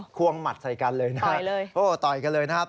ควงหมัดใส่กันเลยนะครับต่อยกันเลยนะครับ